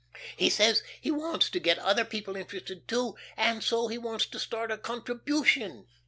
He says he wants to get other people interested, too, and so he wants to start a contribution.